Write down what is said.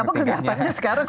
apa kegiatannya sekarang